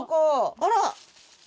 あら！